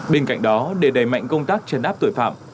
bên cạnh đó để đẩy mạnh công tác chấn áp tội phạm